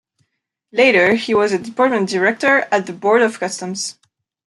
Later he was a department director at the Board of Customs.